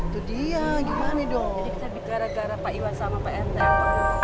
itu dia gimana dong gara gara pak iwan sama pak enteng